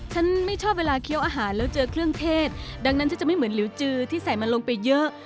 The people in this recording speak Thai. ฉันไม่ชอบเวลาเคี้ยวอาหารแล้วเจอเครื่องเทศดังนั้นฉันจะไม่เหมือนหลิวจือที่ใส่มันลงไปเยอะ